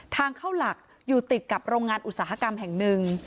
ทางเข้าหลักอยู่ติดกับโรงงานอุตสาหกรรมแห่งหนึ่ง